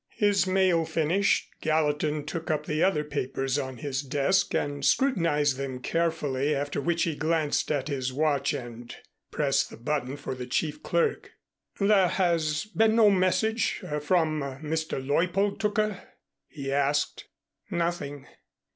His mail finished, Gallatin took up the other papers on his desk and scrutinized them carefully, after which he glanced at his watch and pressed the button for the chief clerk. "There has been no message from Mr. Leuppold, Tooker?" he asked. "Nothing."